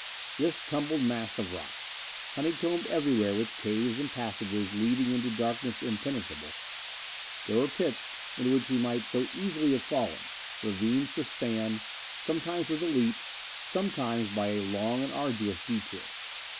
This tumbled mass of rock! Honeycombed everywhere with caves and passages leading into darkness impenetrable. There were pits into which we might so easily have fallen; ravines to span, sometimes with a leap, sometimes by a long and arduous detour.